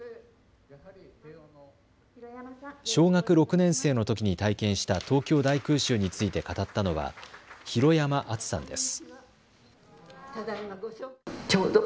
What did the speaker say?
小学６年生のときに体験した東京大空襲について語ったのは廣山敦さんです。